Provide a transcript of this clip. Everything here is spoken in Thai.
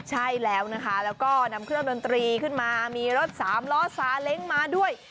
ใช่แล้วนะคะแล้วก็นำเครื่องดนตรีขึ้นมามีรถสามล้อซาเล้งมาด้วย